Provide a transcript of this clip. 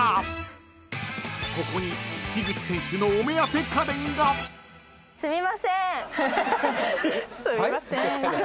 ［ここに樋口選手のお目当て家電が］はい？